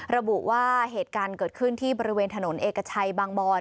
ระบุว่าเหตุการณ์เกิดขึ้นที่บริเวณถนนเอกชัยบางบอน